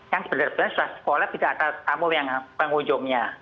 yang sebenarnya sudah sekolah tidak ada tamu yang pengunjungnya